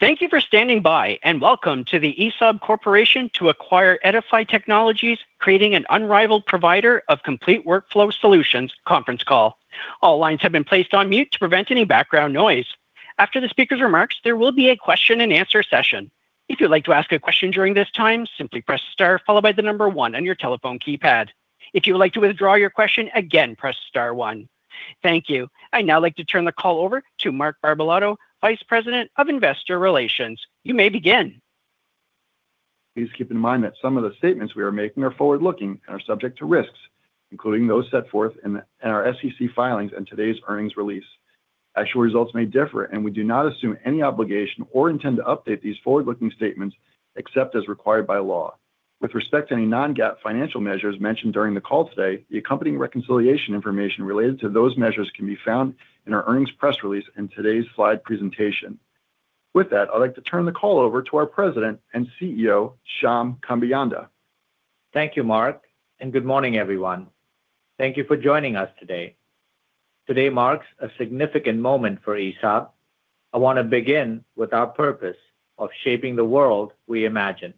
Thank you for standing by, and welcome to the ESAB Corporation to acquire Eddyfi Technologies, creating an unrivaled provider of complete workflow solutions conference call. All lines have been placed on mute to prevent any background noise. After the speaker's remarks, there will be a question and answer session. If you'd like to ask a question during this time, simply press star followed by the number one on your telephone keypad. If you would like to withdraw your question, again, press star one. Thank you. I'd now like to turn the call over to Mark Barbalato, Vice President of Investor Relations. You may begin. Please keep in mind that some of the statements we are making are forward-looking and are subject to risks, including those set forth in our SEC filings and today's earnings release. Actual results may differ, and we do not assume any obligation or intend to update these forward-looking statements except as required by law. With respect to any non-GAAP financial measures mentioned during the call today, the accompanying reconciliation information related to those measures can be found in our earnings press release in today's slide presentation. With that, I'd like to turn the call over to our President and Chief Executive Officer, Shyam Kambeyanda. Thank you, Mark, and good morning, everyone. Thank you for joining us today. Today marks a significant moment for ESAB. I want to begin with our purpose of shaping the world we imagine.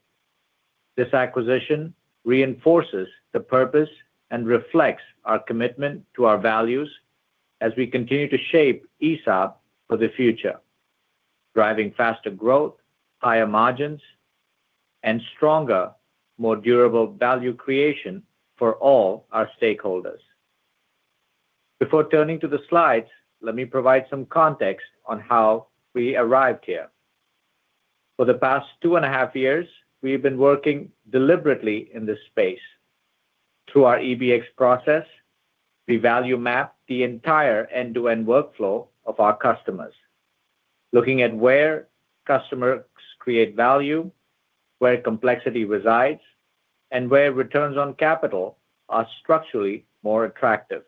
This acquisition reinforces the purpose and reflects our commitment to our values as we continue to shape ESAB for the future, driving faster growth, higher margins, and stronger, more durable value creation for all our stakeholders. Before turning to the slides, let me provide some context on how we arrived here. For the past two and a half years, we've been working deliberately in this space. Through our EBX process, we value mapped the entire end-to-end workflow of our customers, looking at where customers create value, where complexity resides, and where returns on capital are structurally more attractive.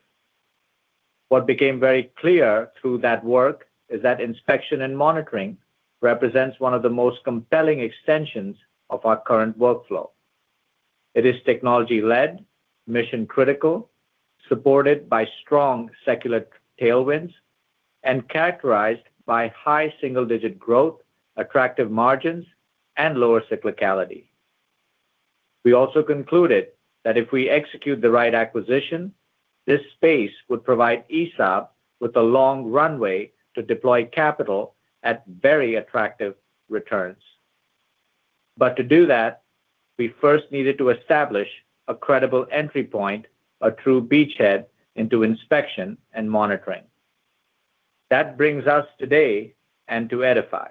What became very clear through that work is that inspection and monitoring represents one of the most compelling extensions of our current workflow. It is technology-led, mission-critical, supported by strong secular tailwinds, and characterized by high single-digit growth, attractive margins, and lower cyclicality. We also concluded that if we execute the right acquisition, this space would provide ESAB with a long runway to deploy capital at very attractive returns. But to do that, we first needed to establish a credible entry point, a true beachhead into inspection and monitoring. That brings us today and to Eddyfi.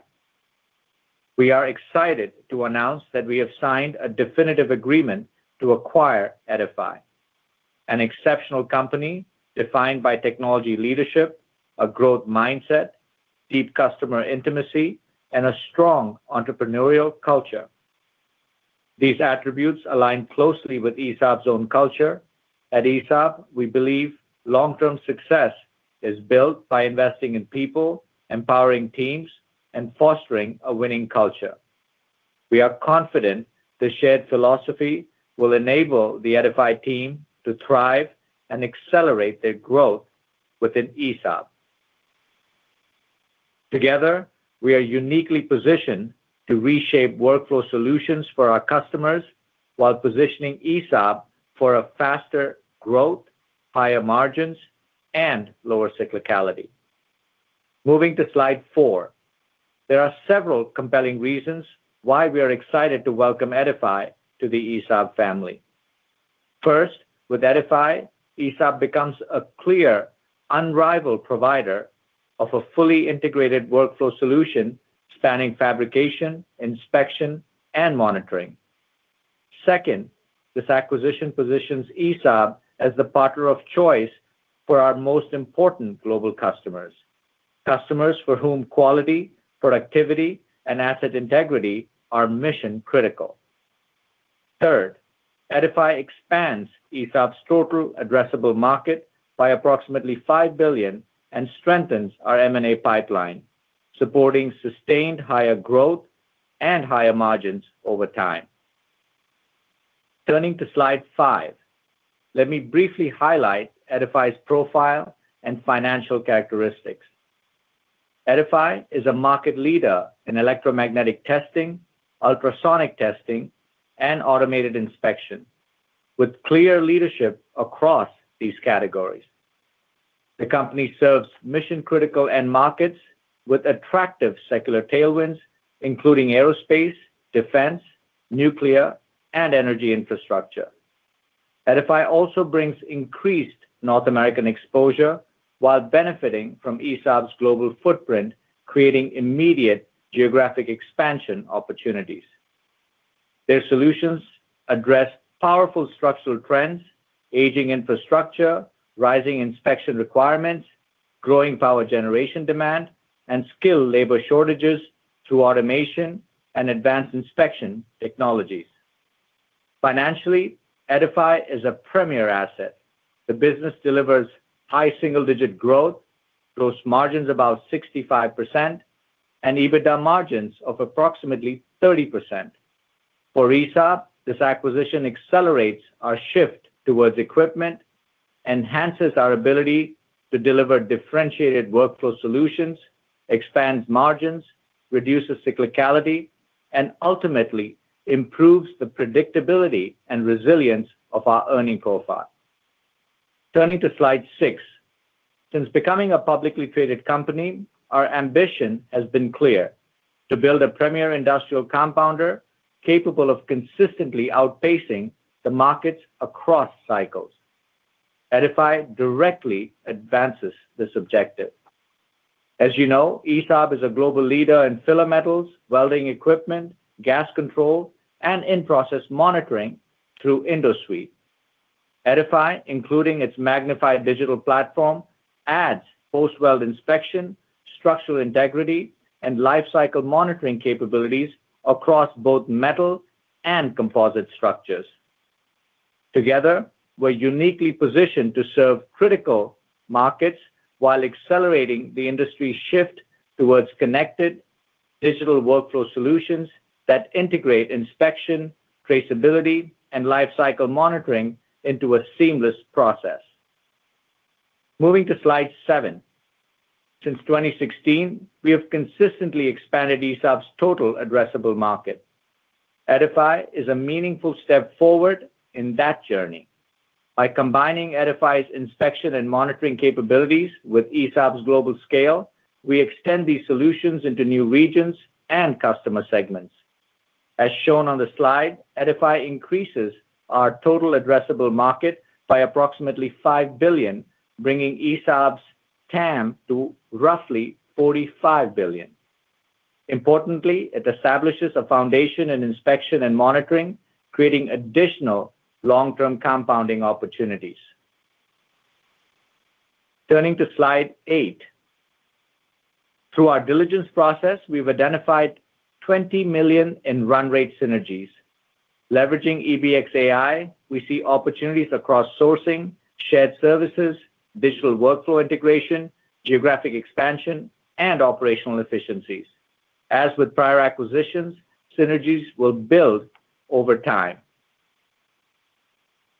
We are excited to announce that we have signed a definitive agreement to acquire Eddyfi, an exceptional company defined by technology leadership, a growth mindset, deep customer intimacy, and a strong entrepreneurial culture. These attributes align closely with ESAB's own culture. At ESAB, we believe long-term success is built by investing in people, empowering teams, and fostering a winning culture. We are confident the shared philosophy will enable the Eddyfi team to thrive and accelerate their growth within ESAB. Together, we are uniquely positioned to reshape workflow solutions for our customers while positioning ESAB for a faster growth, higher margins, and lower cyclicality. Moving to slide four. There are several compelling reasons why we are excited to welcome Eddyfi to the ESAB family. First, with Eddyfi, ESAB becomes a clear, unrivaled provider of a fully integrated workflow solution spanning fabrication, inspection, and monitoring. Second, this acquisition positions ESAB as the partner of choice for our most important global customers, customers for whom quality, productivity, and asset integrity are mission-critical. Third, Eddyfi expands ESAB's total addressable market by approximately $5 billion and strengthens our M&A pipeline, supporting sustained higher growth and higher margins over time. Turning to slide 5, let me briefly highlight Eddyfi's profile and financial characteristics. Eddyfi is a market leader in electromagnetic testing, ultrasonic testing, and automated inspection, with clear leadership across these categories. The company serves mission-critical end markets with attractive secular tailwinds, including aerospace, defense, nuclear, and energy infrastructure. Eddyfi also brings increased North American exposure while benefiting from ESAB's global footprint, creating immediate geographic expansion opportunities. Their solutions address powerful structural trends, aging infrastructure, rising inspection requirements, growing power generation demand, and skilled labor shortages through automation and advanced inspection technologies. Financially, Eddyfi is a premier asset. The business delivers high single-digit growth, gross margins about 65%, and EBITDA margins of approximately 30%.... For ESAB, this acquisition accelerates our shift towards equipment, enhances our ability to deliver differentiated workflow solutions, expands margins, reduces cyclicality, and ultimately improves the predictability and resilience of our earning profile. Turning to slide six. Since becoming a publicly traded company, our ambition has been clear: to build a premier industrial compounder capable of consistently outpacing the markets across cycles. Eddyfi directly advances this objective. As you know, ESAB is a global leader in filler metals, welding equipment, gas control, and in-process monitoring through InduSuite. Eddyfi, including its Magnifi digital platform, adds post-weld inspection, structural integrity, and lifecycle monitoring capabilities across both metal and composite structures. Together, we're uniquely positioned to serve critical markets while accelerating the industry's shift towards connected digital workflow solutions that integrate inspection, traceability, and lifecycle monitoring into a seamless process. Moving to slide seven. Since 2016, we have consistently expanded ESAB's total addressable market. Eddyfi is a meaningful step forward in that journey. By combining Eddyfi's inspection and monitoring capabilities with ESAB's global scale, we extend these solutions into new regions and customer segments. As shown on the slide, Eddyfi increases our total addressable market by approximately $5 billion, bringing ESAB's TAM to roughly $45 billion. Importantly, it establishes a foundation in inspection and monitoring, creating additional long-term compounding opportunities. Turning to slide eight. Through our diligence process, we've identified $20 million in run rate synergies. Leveraging EBX AI, we see opportunities across sourcing, shared services, digital workflow integration, geographic expansion, and operational efficiencies. As with prior acquisitions, synergies will build over time.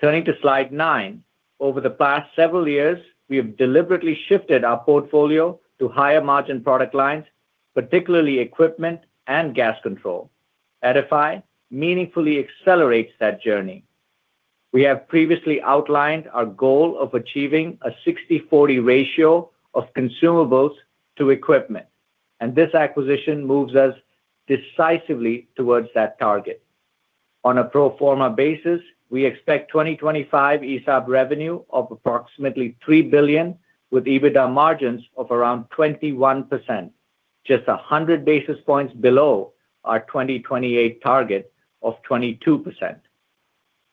Turning to slide nine. Over the past several years, we have deliberately shifted our portfolio to higher margin product lines, particularly equipment and gas control. Eddyfi meaningfully accelerates that journey. We have previously outlined our goal of achieving a 60/40 ratio of consumables to equipment, and this acquisition moves us decisively towards that target. On a pro forma basis, we expect 2025 ESAB revenue of approximately $3 billion, with EBITDA margins of around 21%, just a hundred basis points below our 2028 target of 22%.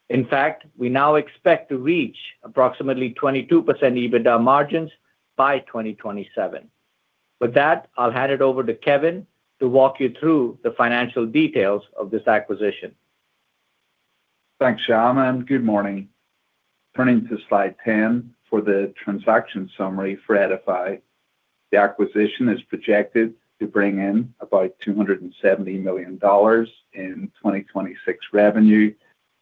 In fact, we now expect to reach approximately 22% EBITDA margins by 2027. With that, I'll hand it over to Kevin to walk you through the financial details of this acquisition. Thanks, Shyam, and good morning. Turning to slide 10 for the transaction summary for Eddyfi. The acquisition is projected to bring in about $270 million in 2026 revenue,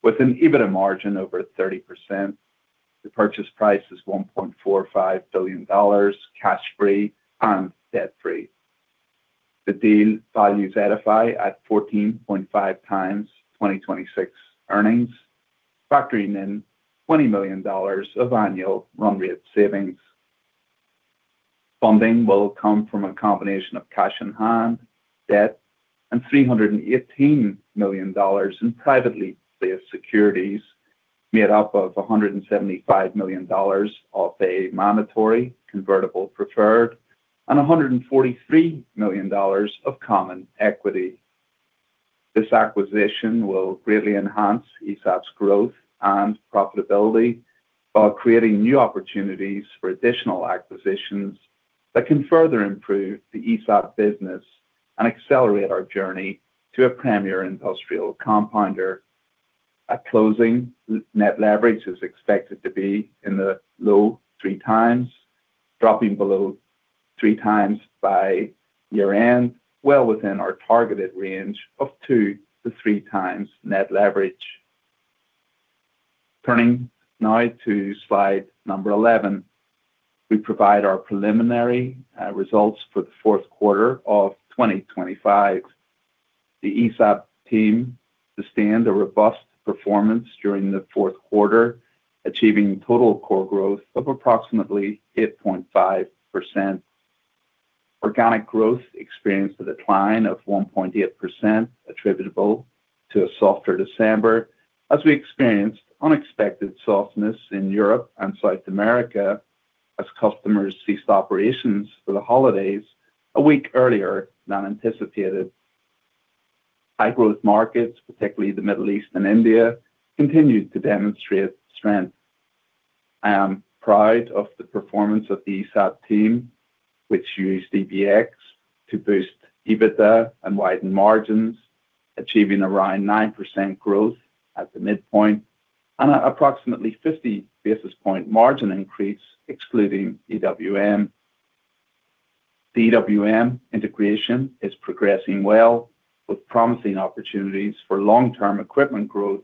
with an EBITDA margin over 30%. The purchase price is $1.45 billion, cash-free and debt-free. The deal values Eddyfi at 14.5x 2026 earnings, factoring in $20 million of annual run rate savings. Funding will come from a combination of cash in hand, debt, and $318 million in privately placed securities, made up of $175 million of a mandatory convertible preferred and $143 million of common equity. This acquisition will greatly enhance ESAB's growth and profitability while creating new opportunities for additional acquisitions that can further improve the ESAB business and accelerate our journey to a premier industrial compounder. At closing, net leverage is expected to be in the low 3x, dropping below 3x by year-end, well within our targeted range of 2x-3x net leverage. Turning now to slide 11. We provide our preliminary results for the fourth quarter of 2025. The ESAB team sustained a robust performance during the fourth quarter, achieving total core growth of approximately 8.5%. Organic growth experienced a decline of 1.8%, attributable to a softer December, as we experienced unexpected softness in Europe and South America as customers ceased operations for the holidays a week earlier than anticipated. High-growth markets, particularly the Middle East and India, continued to demonstrate strength. I am proud of the performance of the ESAB team, which used EBX to boost EBITDA and widen margins, achieving around 9% growth at the midpoint and approximately 50 basis point margin increase, excluding EWM. EWM integration is progressing well, with promising opportunities for long-term equipment growth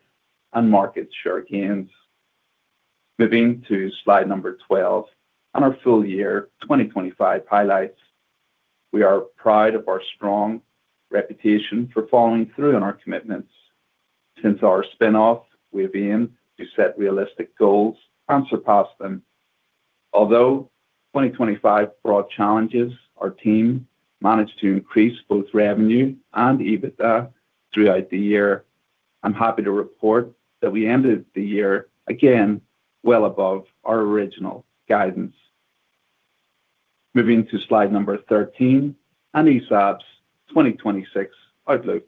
and market share gains. Moving to slide number 12 on our full year 2025 highlights. We are proud of our strong reputation for following through on our commitments. Since our spin-off, we have been to set realistic goals and surpass them. Although 2025 brought challenges, our team managed to increase both revenue and EBITDA throughout the year. I'm happy to report that we ended the year, again, well above our original guidance. Moving to slide number 13, and ESAB's 2026 outlook.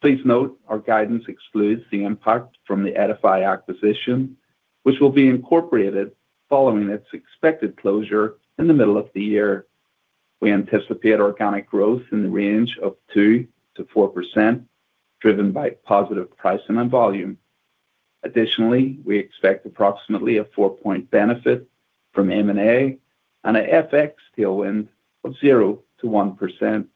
Please note, our guidance excludes the impact from the Eddyfi acquisition, which will be incorporated following its expected closure in the middle of the year. We anticipate organic growth in the range of 2%-4%, driven by positive price and in volume. Additionally, we expect approximately a four-point benefit from M&A and a FX tailwind of 0%-1%.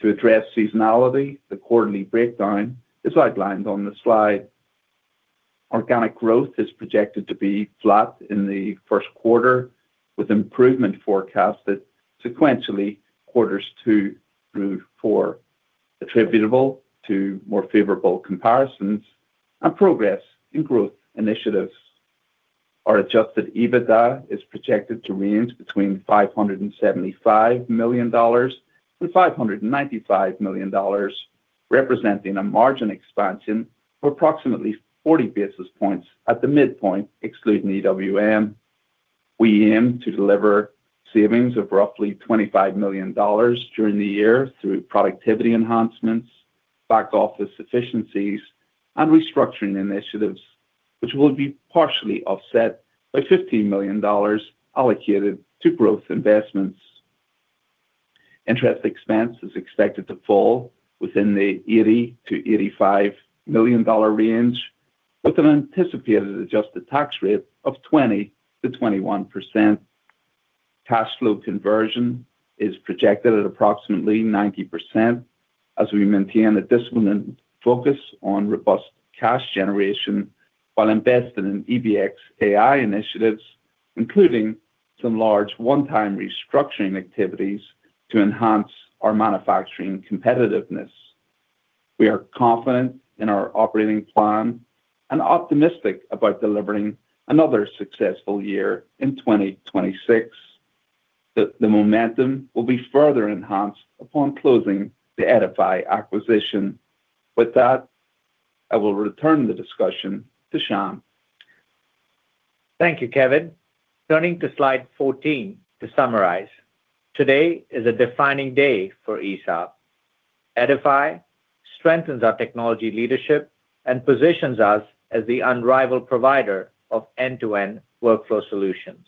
To address seasonality, the quarterly breakdown is outlined on the slide. Organic growth is projected to be flat in the first quarter, with improvement forecasted sequentially quarters two through four, attributable to more favorable comparisons and progress in growth initiatives. Our adjusted EBITDA is projected to range between $575 million-$595 million, representing a margin expansion of approximately 40 basis points at the midpoint, excluding EWM. We aim to deliver savings of roughly $25 million during the year through productivity enhancements, back office efficiencies, and restructuring initiatives, which will be partially offset by $15 million allocated to growth investments. Interest expense is expected to fall within the $80-$85 million range, with an anticipated adjusted tax rate of 20%-21%. Cash flow conversion is projected at approximately 90%, as we maintain a disciplined focus on robust cash generation while investing in EBX AI initiatives, including some large one-time restructuring activities to enhance our manufacturing competitiveness. We are confident in our operating plan and optimistic about delivering another successful year in 2026. The momentum will be further enhanced upon closing the Eddyfi acquisition. With that, I will return the discussion to Shyam. Thank you, Kevin. Turning to slide 14 to summarize. Today is a defining day for ESAB. Eddyfi strengthens our technology leadership and positions us as the unrivaled provider of end-to-end workflow solutions.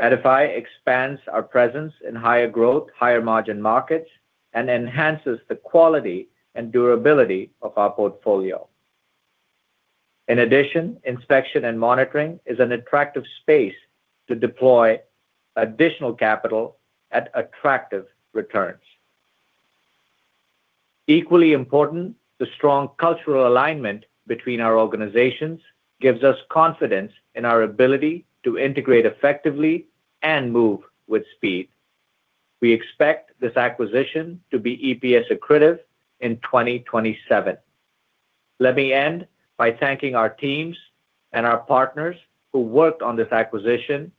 Eddyfi expands our presence in higher growth, higher margin markets, and enhances the quality and durability of our portfolio. In addition, inspection and monitoring is an attractive space to deploy additional capital at attractive returns. Equally important, the strong cultural alignment between our organizations gives us confidence in our ability to integrate effectively and move with speed. We expect this acquisition to be EPS accretive in 2027. Let me end by thanking our teams and our partners who worked on this acquisition,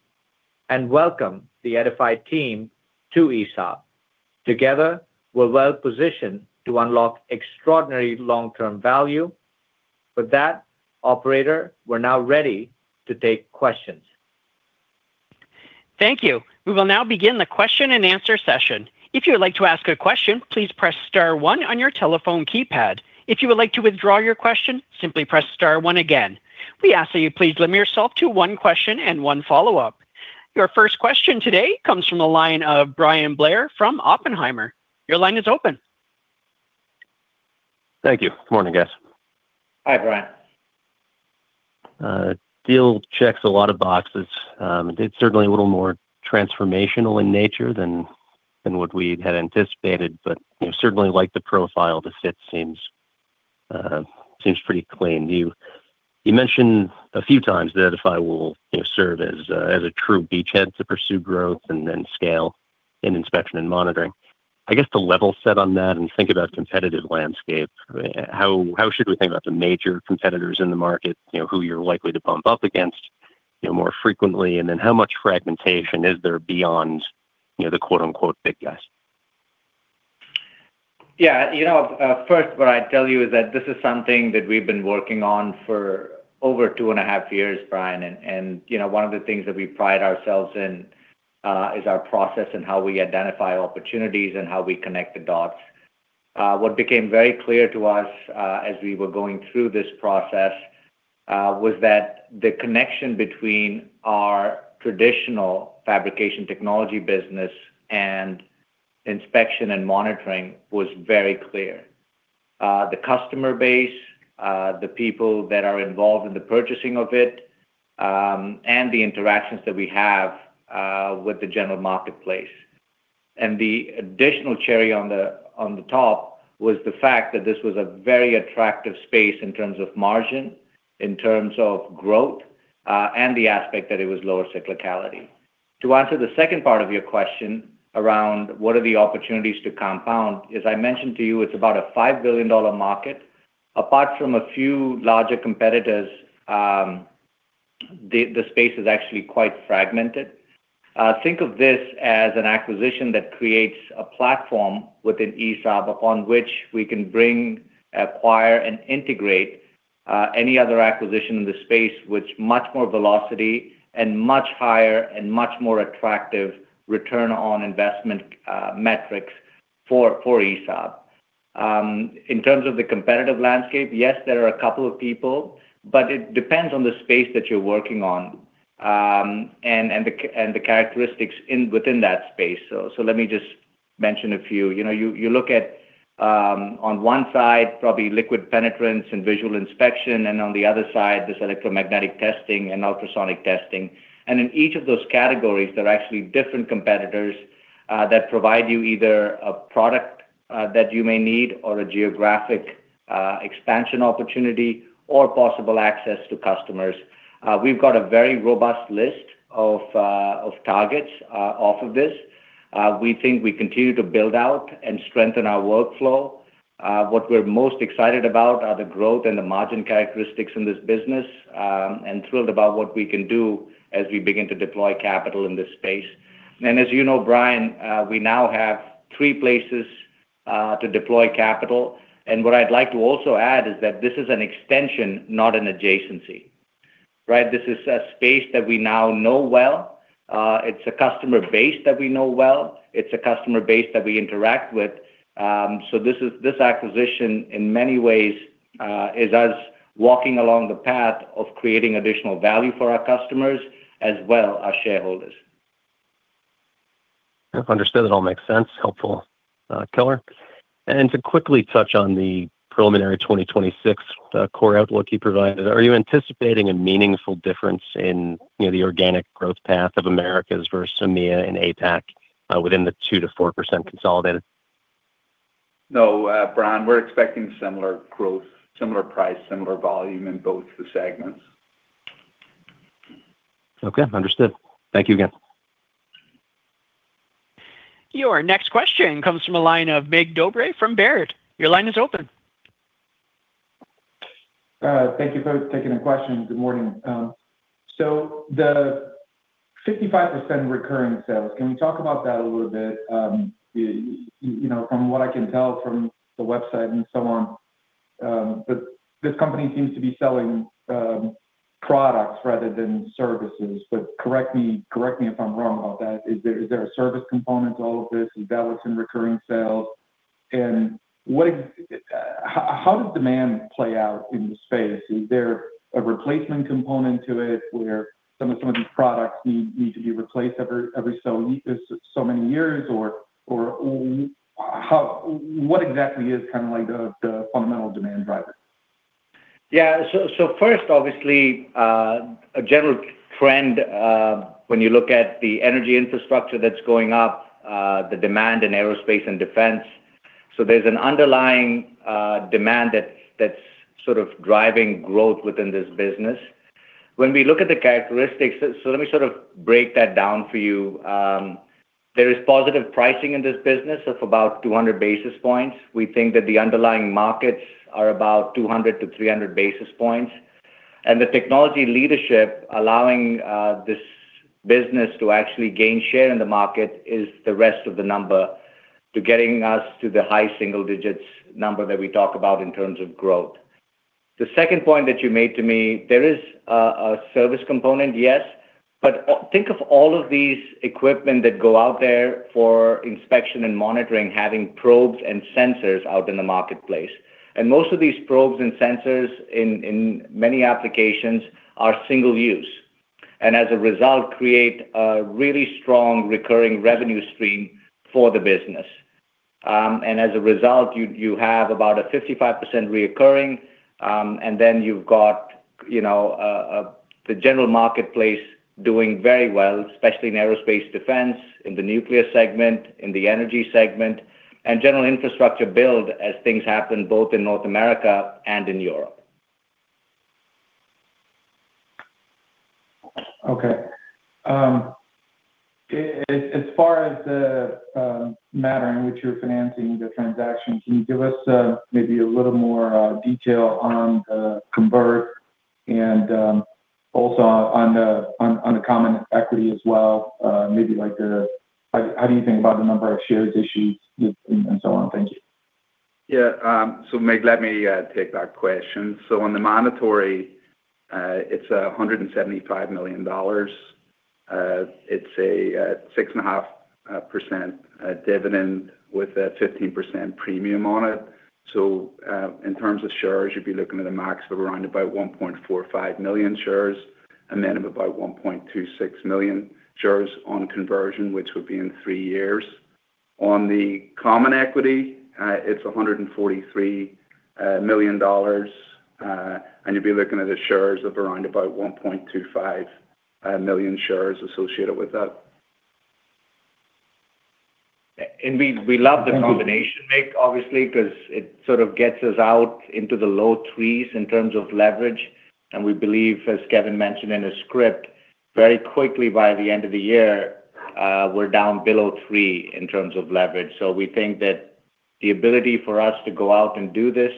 and welcome the Eddyfi team to ESAB. Together, we're well-positioned to unlock extraordinary long-term value. With that, operator, we're now ready to take questions. Thank you. We will now begin the question and answer session. If you would like to ask a question, please press star one on your telephone keypad. If you would like to withdraw your question, simply press star one again. We ask that you please limit yourself to one question and one follow-up. Your first question today comes from the line of Bryan Blair from Oppenheimer. Your line is open. Thank you. Morning, guys. Hi, Brian. Deal checks a lot of boxes. It's certainly a little more transformational in nature than what we had anticipated, but, you know, certainly like the profile, the fit seems pretty clean. You mentioned a few times that Eddyfi will, you know, serve as a true beachhead to pursue growth and then scale in inspection and monitoring. I guess, to level set on that and think about competitive landscape, how should we think about the major competitors in the market? You know, who you're likely to bump up against, you know, more frequently, and then how much fragmentation is there beyond, you know, the, quote-unquote, "big guys? Yeah, you know, first, what I'd tell you is that this is something that we've been working on for over 2.5 years, Bryan. And, you know, one of the things that we pride ourselves in is our process and how we identify opportunities and how we connect the dots. What became very clear to us, as we were going through this process, was that the connection between our traditional fabrication technology business and inspection and monitoring was very clear. The customer base, the people that are involved in the purchasing of it, and the interactions that we have with the general marketplace. And the additional cherry on the top was the fact that this was a very attractive space in terms of margin, in terms of growth, and the aspect that it was lower cyclicality. To answer the second part of your question around what are the opportunities to compound? As I mentioned to you, it's about a $5 billion market. Apart from a few larger competitors, the space is actually quite fragmented. Think of this as an acquisition that creates a platform within ESAB, upon which we can bring, acquire, and integrate any other acquisition in the space with much more velocity and much higher and much more attractive return on investment metrics for ESAB. In terms of the competitive landscape, yes, there are a couple of people, but it depends on the space that you're working on, and the characteristics within that space. So let me just mention a few. You know, you look at, on one side, probably liquid penetrant and visual inspection, and on the other side, there's electromagnetic testing and ultrasonic testing. And in each of those categories, there are actually different competitors that provide you either a product that you may need or a geographic expansion opportunity, or possible access to customers. We've got a very robust list of targets off of this. We think we continue to build out and strengthen our workflow. What we're most excited about are the growth and the margin characteristics in this business, and thrilled about what we can do as we begin to deploy capital in this space. And as you know, Brian, we now have three places to deploy capital. And what I'd like to also add is that this is an extension, not an adjacency, right? This is a space that we now know well. It's a customer base that we know well. It's a customer base that we interact with. So this is, this acquisition, in many ways, is us walking along the path of creating additional value for our customers as well, our shareholders. Understood. It all makes sense. Helpful, color. And to quickly touch on the preliminary 2026, core outlook you provided, are you anticipating a meaningful difference in, you know, the organic growth path of Americas versus EMEA and APAC, within the 2%-4% consolidated? No, Bryan, we're expecting similar growth, similar price, similar volume in both the segments. Okay, understood. Thank you again. Your next question comes from a line of Mircea Dobre from Baird. Your line is open. Thank you for taking the question. Good morning. So the 55% recurring sales, can you talk about that a little bit? You know, from what I can tell from the website and so on, but this company seems to be selling products rather than services. But correct me, correct me if I'm wrong about that. Is there a service component to all of this, and that was in recurring sales? And what ex- How does demand play out in the space? Is there a replacement component to it, where some of these products need to be replaced every so many years? Or how- what exactly is kinda like the fundamental demand driver? Yeah. So, so first, obviously, a general trend, when you look at the energy infrastructure that's going up, the demand in aerospace and defense. So there's an underlying, demand that's, that's sort of driving growth within this business. When we look at the characteristics... So let me sort of break that down for you. There is positive pricing in this business of about 200 basis points. We think that the underlying markets are about 200-300 basis points, and the technology leadership allowing this business to actually gain share in the market is the rest of the number to getting us to the high single digits number that we talk about in terms of growth. The second point that you made to me, there is a service component, yes, but think of all of these equipment that go out there for inspection and monitoring, having probes and sensors out in the marketplace. And most of these probes and sensors in many applications are single use, and as a result, create a really strong recurring revenue stream for the business. And as a result, you have about a 55% recurring, and then you've got, you know, the general marketplace doing very well, especially in aerospace defense, in the nuclear segment, in the energy segment, and general infrastructure build as things happen both in North America and in Europe. Okay. As far as the matter in which you're financing the transaction, can you give us maybe a little more detail on the convert and also on the common equity as well? Maybe like the... How do you think about the number of shares issued and so on? Thank you. Yeah, so Mig, let me take that question. So on the mandatory, it's $175 million. It's a 6.5% dividend with a 15% premium on it. So, in terms of shares, you'd be looking at a max of around about 1.45 million shares, and then of about 1.26 million shares on conversion, which would be in three years. On the common equity, it's $143 million. And you'd be looking at the shares of around about 1.25 million shares associated with that. We, we love the combination, Mig, obviously, 'cause it sort of gets us out into the low threes in terms of leverage. We believe, as Kevin mentioned in his script, very quickly by the end of the year, we're down below three in terms of leverage. So we think that the ability for us to go out and do this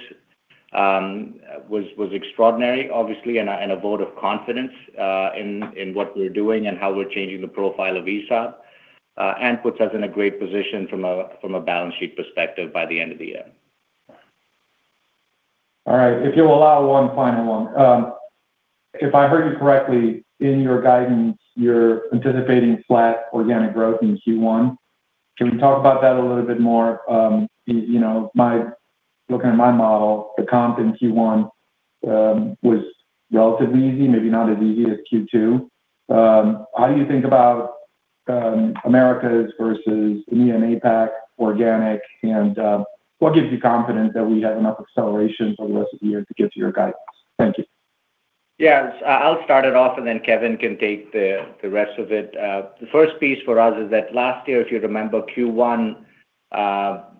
was extraordinary, obviously, and a vote of confidence in what we're doing and how we're changing the profile of ESAB, and puts us in a great position from a balance sheet perspective by the end of the year. All right. If you'll allow one final one. If I heard you correctly, in your guidance, you're anticipating flat organic growth in Q1. Can you talk about that a little bit more? You know, looking at my model, the comp in Q1 was relatively easy, maybe not as easy as Q2. How do you think about Americas versus EMEA, APAC, organic, and what gives you confidence that we have enough acceleration for the rest of the year to get to your guidance? Thank you. Yes, I'll start it off, and then Kevin can take the rest of it. The first piece for us is that last year, if you remember Q1,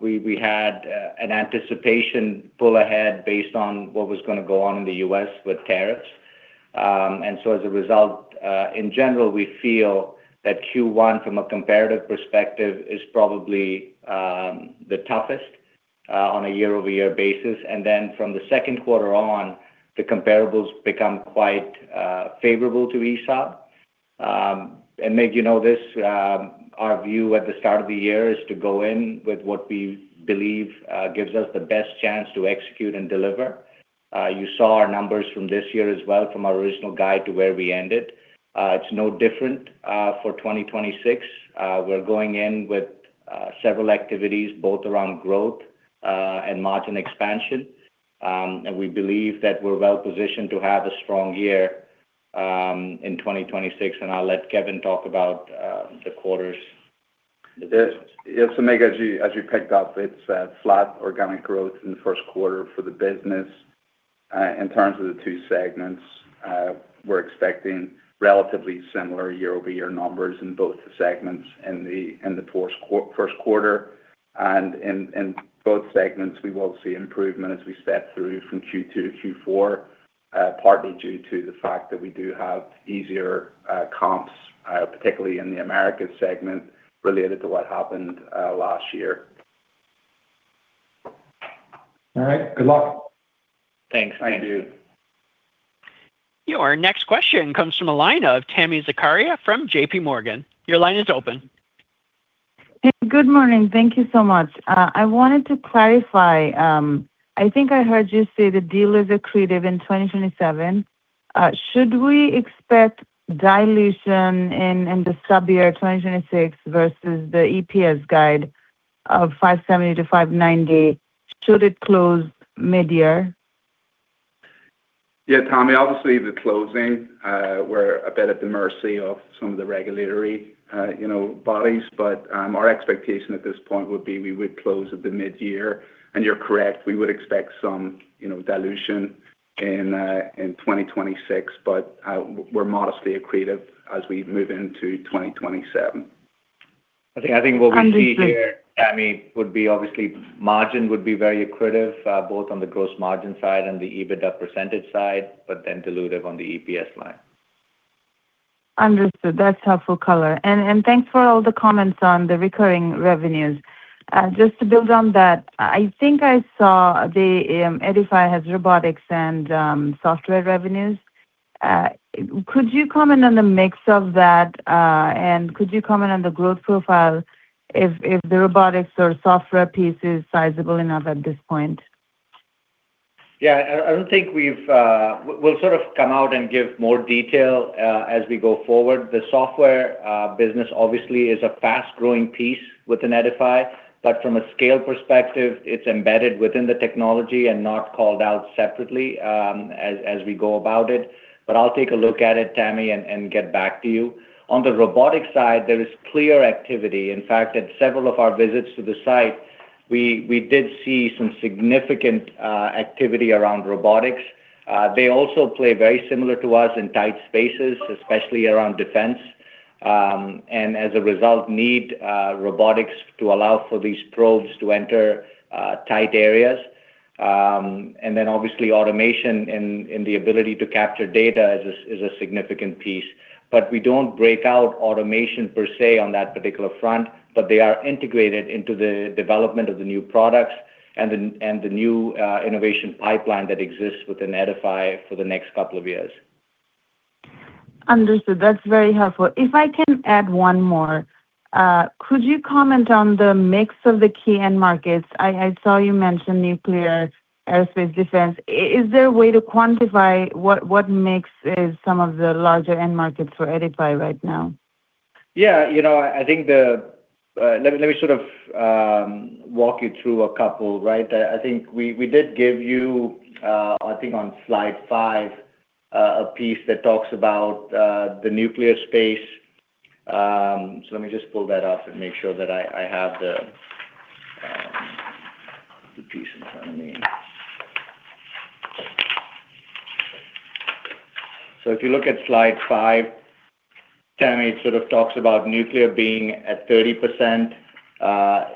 we had an anticipation pull ahead based on what was gonna go on in the U.S. with tariffs. And so as a result, in general, we feel that Q1, from a comparative perspective, is probably the toughest on a year-over-year basis. And then from the second quarter on, the comparables become quite favorable to ESAB. And, Nick, you know this, our view at the start of the year is to go in with what we believe gives us the best chance to execute and deliver. You saw our numbers from this year as well, from our original guide to where we ended. It's no different for 2026. We're going in with several activities, both around growth and margin expansion. And we believe that we're well positioned to have a strong year in 2026, and I'll let Kevin talk about the quarters. Yes. Yes, so, Mig, as you picked up, it's flat organic growth in the first quarter for the business. In terms of the two segments, we're expecting relatively similar year-over-year numbers in both the segments in the first quarter. And in both segments, we will see improvement as we step through from Q2 to Q4, partly due to the fact that we do have easier comps, particularly in the Americas segment, related to what happened last year. All right. Good luck. Thanks. Thank you. Your next question comes from a line of Tami Zakaria from J.P. Morgan. Your line is open. Good morning. Thank you so much. I wanted to clarify. I think I heard you say the deal is accretive in 2027. Should we expect dilution in the stub year 2026 versus the EPS guide of $5.70-$5.90, should it close midyear? Yeah, Tami, obviously, the closing, we're a bit at the mercy of some of the regulatory, you know, bodies. But, our expectation at this point would be we would close at the midyear. And you're correct, we would expect some, you know, dilution in 2026, but, we're modestly accretive as we move into 2027. I think what we see here- Understood. Tami, would be obviously margin would be very accretive, both on the gross margin side and the EBITDA percentage side, but then dilutive on the EPS line. Understood. That's helpful color. And thanks for all the comments on the recurring revenues. Just to build on that, I think I saw the Eddyfi has robotics and software revenues. Could you comment on the mix of that, and could you comment on the growth profile if the robotics or software piece is sizable enough at this point? Yeah, I don't think we've... We'll sort of come out and give more detail as we go forward. The software business obviously is a fast-growing piece within Eddyfi, but from a scale perspective, it's embedded within the technology and not called out separately as we go about it. But I'll take a look at it, Tami, and get back to you. On the robotics side, there is clear activity. In fact, at several of our visits to the site, we did see some significant activity around robotics. They also play very similar to us in tight spaces, especially around defense, and as a result, need robotics to allow for these probes to enter tight areas. And then, obviously, automation and the ability to capture data is a significant piece. But we don't break out automation per se on that particular front, but they are integrated into the development of the new products and the new innovation pipeline that exists within Eddyfi for the next couple of years. Understood. That's very helpful. If I can add one more, could you comment on the mix of the key end markets? I saw you mention nuclear, aerospace, defense. Is there a way to quantify what makes up some of the larger end markets for Eddyfi right now? Yeah, you know, I think the... Let me, let me sort of... walk you through a couple, right? I think we did give you, I think on slide 5, a piece that talks about the nuclear space. So let me just pull that up and make sure that I have the piece in front of me. So if you look at slide 5, Tami, it sort of talks about nuclear being at 30%,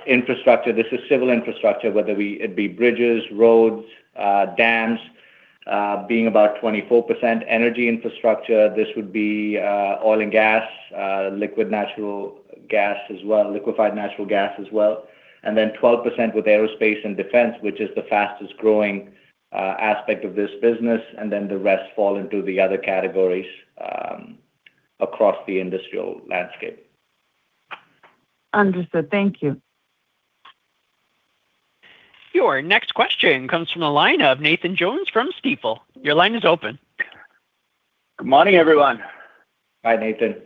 infrastructure. This is civil infrastructure, whether we'd be bridges, roads, dams, being about 24%. Energy infrastructure, this would be oil and gas, liquid natural gas as well, liquefied natural gas as well, and then 12% with aerospace and defense, which is the fastest growing aspect of this business, and then the rest fall into the other categories across the industrial landscape. Understood. Thank you. Your next question comes from the line of Nathan Jones from Stifel. Your line is open. Good morning, everyone. Hi, Nathan.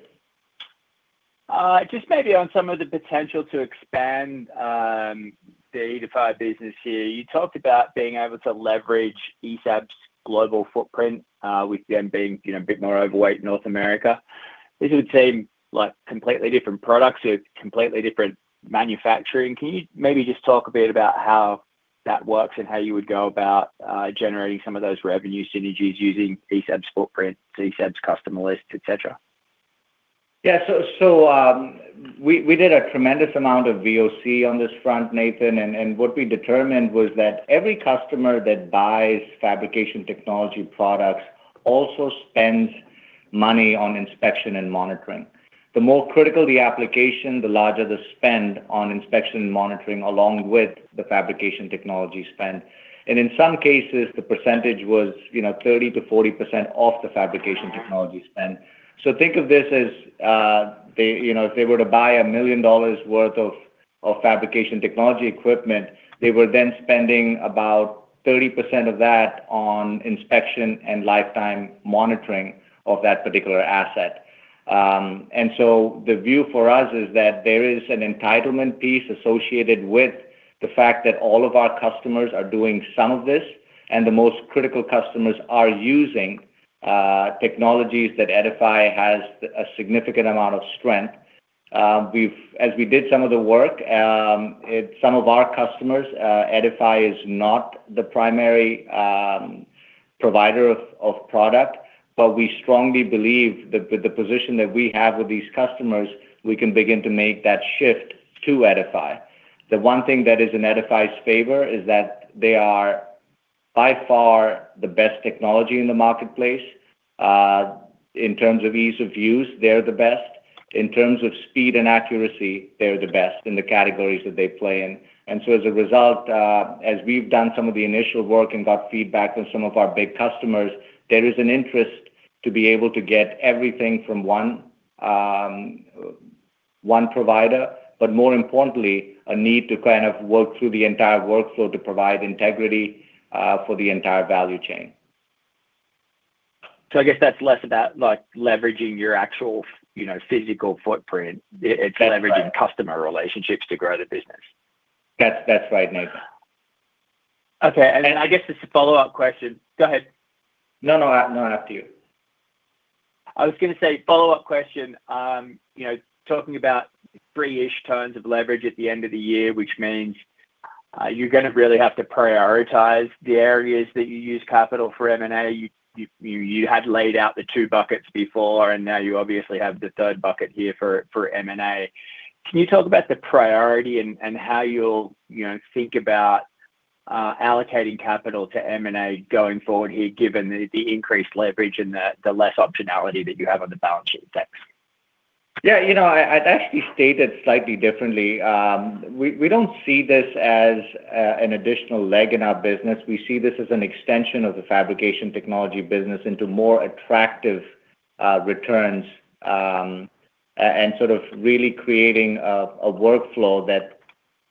Just maybe on some of the potential to expand the Eddyfi business here. You talked about being able to leverage ESAB's global footprint with them being, you know, a bit more overweight in North America. This would seem like completely different products, so completely different manufacturing. Can you maybe just talk a bit about how that works and how you would go about generating some of those revenue synergies using ESAB's footprint, ESAB's customer lists, et cetera? Yeah. We did a tremendous amount of VOC on this front, Nathan, and what we determined was that every customer that buys fabrication technology products also spends money on inspection and monitoring. The more critical the application, the larger the spend on inspection and monitoring, along with the fabrication technology spend. And in some cases, the percentage was, you know, 30%-40% of the fabrication technology spend. So think of this as, they, you know, if they were to buy $1 million worth of fabrication technology equipment, they were then spending about 30% of that on inspection and lifetime monitoring of that particular asset. So the view for us is that there is an entitlement piece associated with the fact that all of our customers are doing some of this, and the most critical customers are using technologies that Eddyfi has a significant amount of strength. We have, as we did some of the work, some of our customers. Eddyfi is not the primary provider of product, but we strongly believe that with the position that we have with these customers, we can begin to make that shift to Eddyfi. The one thing that is in Eddyfi's favor is that they are, by far, the best technology in the marketplace. In terms of ease of use, they're the best. In terms of speed and accuracy, they're the best in the categories that they play in. So as a result, as we've done some of the initial work and got feedback from some of our big customers, there is an interest to be able to get everything from one provider, but more importantly, a need to kind of work through the entire workflow to provide integrity for the entire value chain. I guess that's less about, like, leveraging your actual, you know, physical footprint. That's right. It's leveraging customer relationships to grow the business. That's, that's right, Nathan. Okay. And I guess just a follow-up question. Go ahead. No, no. No, after you. I was gonna say, follow-up question, you know, talking about 3-ish tons of leverage at the end of the year, which means, you're gonna really have to prioritize the areas that you use capital for M&A. You had laid out the two buckets before, and now you obviously have the third bucket here for M&A. Can you talk about the priority and how you'll, you know, think about allocating capital to M&A going forward here, given the increased leverage and the less optionality that you have on the balance sheet deck? Yeah, you know, I, I'd actually state it slightly differently. We, we don't see this as an additional leg in our business. We see this as an extension of the fabrication technology business into more attractive returns, and sort of really creating a workflow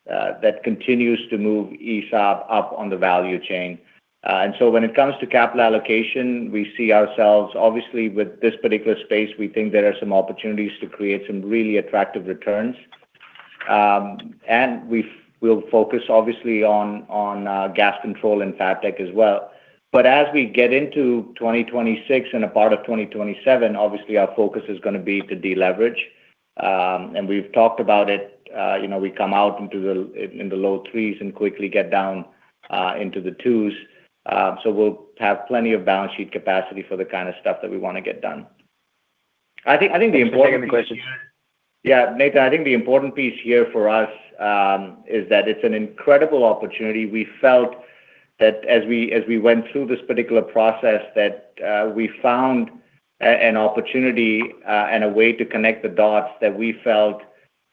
that continues to move ESAB up on the value chain. And so when it comes to capital allocation, we see ourselves... Obviously, with this particular space, we think there are some opportunities to create some really attractive returns. And we'll focus obviously on gas control and Fabtech as well. But as we get into 2026 and a part of 2027, obviously, our focus is gonna be to deleverage. And we've talked about it, you know, we come out into the low 3s and quickly get down into the 2s. So we'll have plenty of balance sheet capacity for the kind of stuff that we wanna get done. I think, I think the important piece- Thanks for taking the question. Yeah, Nathan, I think the important piece here for us is that it's an incredible opportunity. We felt that as we went through this particular process, that we found an opportunity and a way to connect the dots that we felt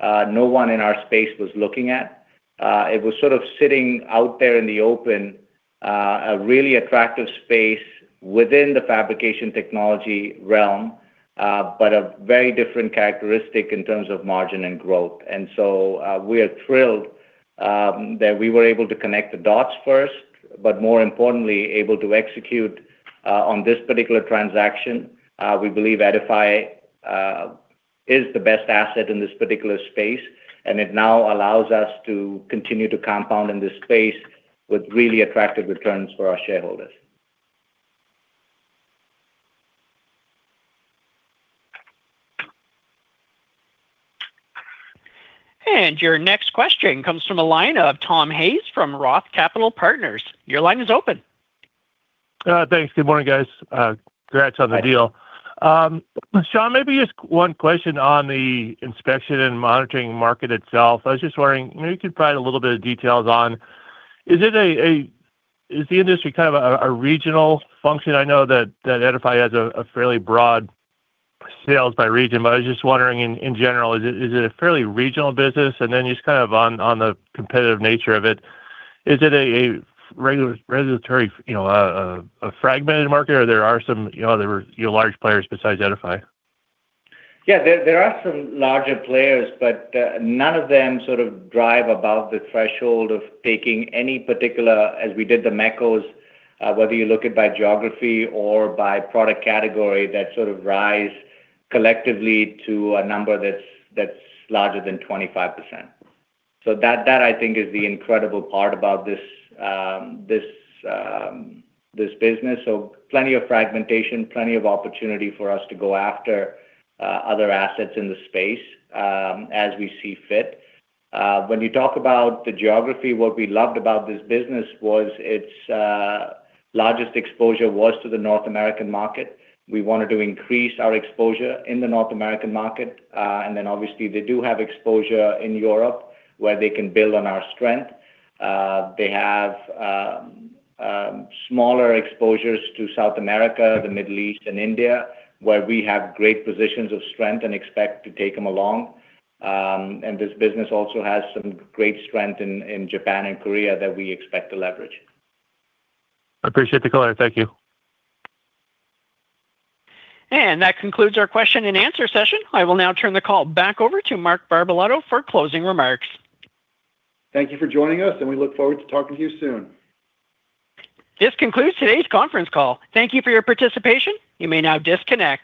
no one in our space was looking at. It was sort of sitting out there in the open, a really attractive space within the fabrication technology realm, but a very different characteristic in terms of margin and growth. And so, we are thrilled that we were able to connect the dots first, but more importantly, able to execute on this particular transaction. We believe Eddyfi is the best asset in this particular space, and it now allows us to continue to compound in this space with really attractive returns for our shareholders. Your next question comes from the line of Tom Hayes from Roth Capital Partners. Your line is open. Thanks. Good morning, guys. Congrats on the deal. Sean, maybe just one question on the inspection and monitoring market itself. I was just wondering, maybe you could provide a little bit of details on, is the industry kind of a regional function? I know that Eddyfi has fairly broad sales by region, but I was just wondering, in general, is it a fairly regional business? And then just kind of on the competitive nature of it, is it a regulatory, you know, a fragmented market, or there are some, you know, large players besides Eddyfi? Yeah, there, there are some larger players, but, none of them sort of drive above the threshold of taking any particular, as we did the M&As, whether you look at by geography or by product category, that sort of rise collectively to a number that's, that's larger than 25%. So that, that I think, is the incredible part about this, this business. So plenty of fragmentation, plenty of opportunity for us to go after, other assets in the space, as we see fit. When you talk about the geography, what we loved about this business was its, largest exposure was to the North American market. We wanted to increase our exposure in the North American market. And then obviously, they do have exposure in Europe, where they can build on our strength. They have smaller exposures to South America, the Middle East, and India, where we have great positions of strength and expect to take them along. And this business also has some great strength in Japan and Korea that we expect to leverage. Appreciate the color. Thank you. That concludes our question and answer session. I will now turn the call back over to Mark Barbalato for closing remarks. Thank you for joining us, and we look forward to talking to you soon. This concludes today's conference call. Thank you for your participation. You may now disconnect.